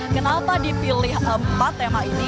kenapa dipilih empat tema ini